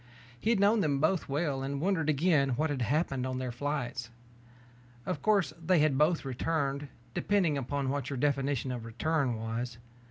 He had known them both well and wondered again what had happened on their flights. Of course, they had both returned, depending upon what your definition of return was.